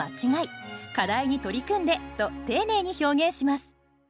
「課題に取り組んで」と丁寧に表現します。